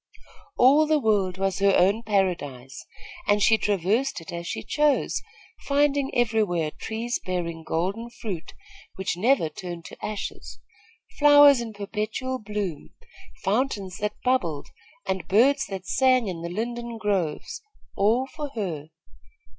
All the world was her own paradise, and she traversed it as she chose, finding everywhere trees bearing golden fruit, which never turned to ashes, flowers in perpetual bloom, fountains that bubbled and birds that sang in the linden groves, all for her.